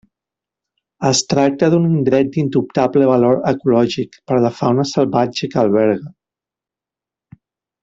Es tracta d'un indret d'indubtable valor ecològic per la fauna salvatge que alberga.